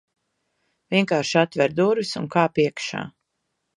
Vienkārši atver durvis, un kāp iekšā.